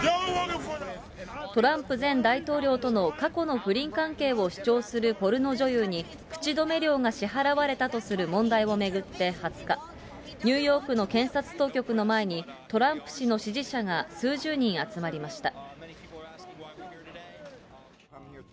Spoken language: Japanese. トランプ前大統領との過去の不倫関係を主張するポルノ女優に、口止め料が支払われたとする問題を巡って２０日、ニューヨークの検察当局の前に、トランプ氏の支持者が数十人集まりました。